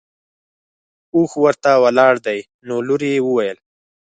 اوښ ورته ولاړ دی نو لور یې وویل.